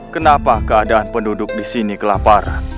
kenapa keadaan penduduk disini kelaparan